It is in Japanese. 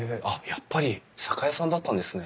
やっぱり酒屋さんだったんですね。